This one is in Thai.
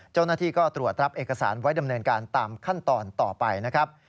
เจ้าหน้าที่ก็ตรวจรับเอกสารไว้ดำเนินการตามขั้นตอนต่อไปนะครับ